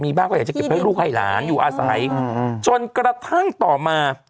อยากจะเก็บให้ลูกพ่ายหลานอยู่อาสัยจนกระทั่งต่อมา